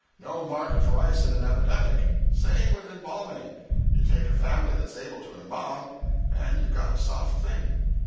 No market for ice in an epidemic. Same with Embamming. You take a family that's able to embam, and you've got a soft thing.